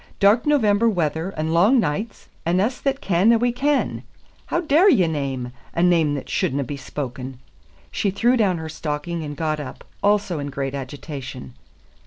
"Dark November weather and lang nichts, and us that ken a' we ken. How daur ye name a name that shouldna be spoken?" She threw down her stocking and got up, also in great agitation.